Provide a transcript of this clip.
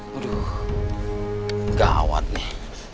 waduh gawat nih